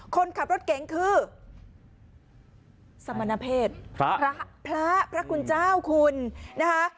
คนขับรถเก๋งคือสมณเพศพระพระคุณเจ้าคุณนะคะ